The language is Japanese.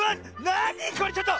なにこれちょっと！